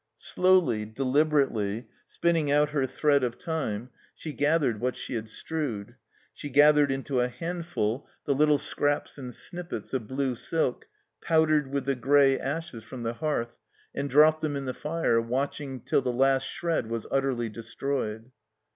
Slowly, deliberately, spinning out her thread of time, she gathered what she had strewed; she gathered into a handful the little scraps and snippets of blue silk, powdered with the gray ashes from the hearth, and dropped them in the fire, watching till the last shred was utterly destroyed.